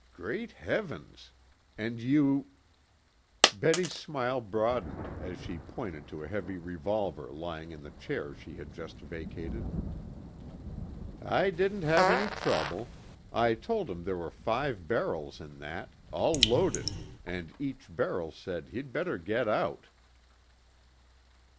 Great Heavens! And you " Betty's smile broadened as she pointed to a heavy revolver lying in the chair she had just vacated. "I didn't have any trouble. I told him there were five barrels in that, all loaded, and each barrel said he'd better get out."